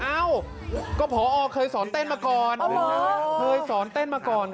อยากจะมอบความสุขให้พอบอนบอกว่าก่อนอันนี้เด็กช่วยเหลือกิจกรรมของโรงเรียนมันหนักหน่วง